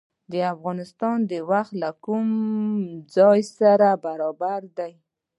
د افغانستان وخت له کوم ځای سره برابر دی؟